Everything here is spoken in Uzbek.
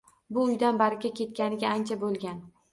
Bu uydan baraka ketganiga ancha bo‘lgan.